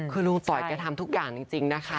คือลุงต่อยแกทำทุกอย่างจริงนะคะ